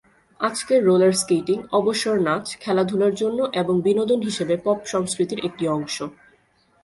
আজকের roller skating অবসর নাচ, খেলাধুলার জন্য এবং বিনোদন হিসেবে পপ সংস্কৃতির একটি অংশ।